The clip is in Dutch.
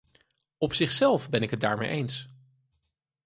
Op zichzelf ben ik het daarmee eens.